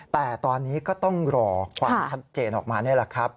แต่ตอนนี้ก็ต้องรอความชัดเจนออกมานี่แหละครับ